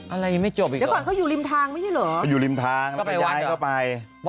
อะไรยังไม่จบอีกหรอ